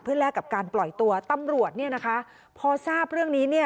แลกกับการปล่อยตัวตำรวจเนี่ยนะคะพอทราบเรื่องนี้เนี่ย